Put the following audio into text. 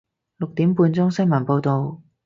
六點半鐘新聞報道